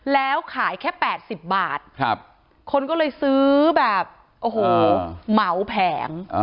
แล้วขายแค่๘๐บาทคนก็เลยซื้อแบบโอ้โหเหมาแผง